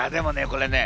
これね